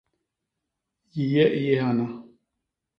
Yiye i yé hana.